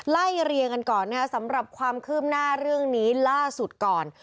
ไล่เรียงกันก่อนนะครับสำหรับความคืบหน้าเรื่องนี้ล่าสุดก่อน